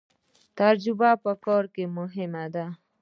تجربه په کار کې مهمه ده